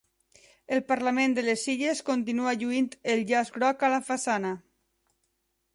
El Parlament de les Illes continua lluint el llaç groc a la façana